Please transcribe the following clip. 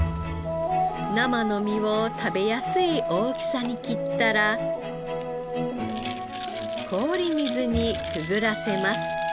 生の身を食べやすい大きさに切ったら氷水にくぐらせます。